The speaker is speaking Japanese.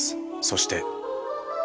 そして。